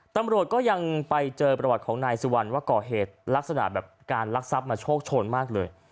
ตำรวจก็ยังไปเจอประวัติของนายสุวรรณว่าก่อเหตุลักษณะแบบการลักทรัพย์มาโชคโชนมากเลย